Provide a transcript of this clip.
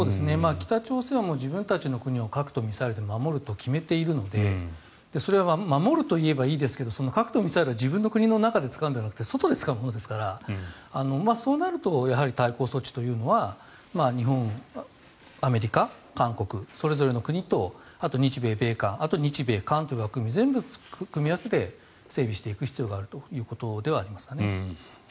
北朝鮮は自分たちの国を核とミサイルで守ると決めているのでそれは守るといえばいいですけど核とミサイルは自分の国の中で使うのではなくて外で使うものですからそうなると、対抗措置というのは日本、アメリカ、韓国それぞれの国とあと、日米、米韓あと日米韓という枠組み全部組み合わせて整備していく必要があるということですかね。